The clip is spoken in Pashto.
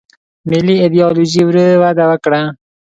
ملي ایدیالوژي ورو وده وکړه.